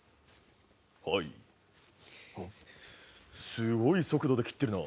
すごい速度で切ってるな。